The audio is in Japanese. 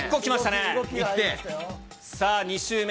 さあ、２周目。